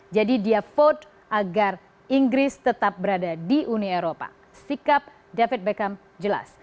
dia vote agar inggris tetap berada di uni eropa sikap david beckham jelas